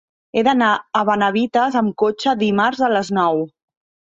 He d'anar a Benavites amb cotxe dimarts a les nou.